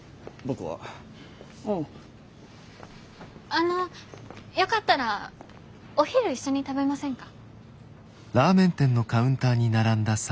あのよかったらお昼一緒に食べませんか？